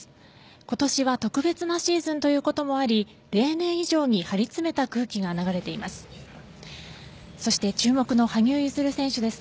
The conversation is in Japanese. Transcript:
今年は特別なシーズンということもあり例年以上に張りつめた空気が流れています。